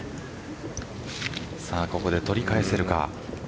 さあここで取り返せるか。